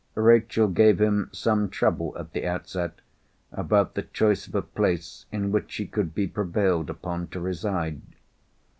Rachel gave him some trouble at the outset, about the choice of a place in which she could be prevailed upon to reside.